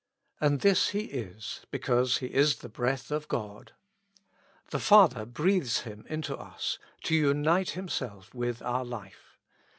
And this He is because He is the breath of God. The Father breathes Him into us, to unite Himself with our life.